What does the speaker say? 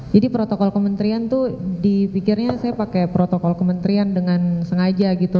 protokol kementerian tuh dipikirnya saya pakai protokol kementerian dengan sengaja gitu